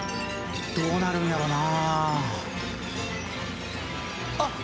どうなるんやろうなあ。